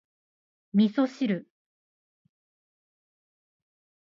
味噌汁